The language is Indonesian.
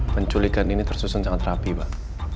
penculikan ini tersusun sangat rapi pak